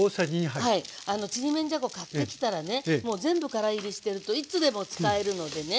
ちりめんじゃこ買ってきたらねもう全部からいりしてるといつでも使えるのでね